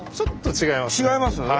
違います？